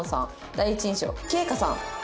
第一印象「圭叶さん」。